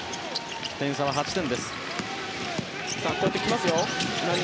点差は８点。